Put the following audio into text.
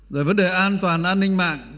rồi vấn đề an toàn an ninh mạng